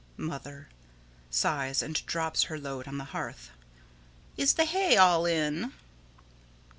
Mother: [Sighs, and drops her load on the hearth.] Is the hay all in?